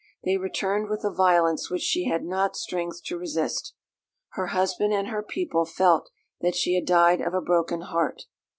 They returned with a violence which she had not strength to resist. Her husband and her people felt that she had died of a broken heart.